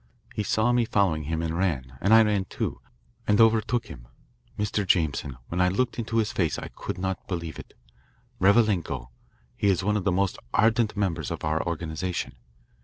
He saw me following him and ran, and I ran, too, and overtook him. Mr. Jameson, when I looked into his face I could not believe it. Revalenko he is one of the most ardent members of our organisation.